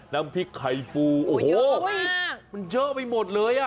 น้ำพริกไข่ปูโอ้โหมันเยอะไปหมดเลยอ่ะ